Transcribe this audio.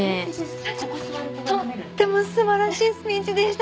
とっても素晴らしいスピーチでした！